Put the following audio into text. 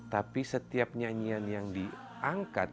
tapi setiap nyanyian yang diangkat